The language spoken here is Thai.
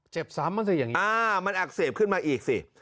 เจ็บ๓ปีมันจะอย่างนี้อ่ามันอักเสบขึ้นมาอีกสิ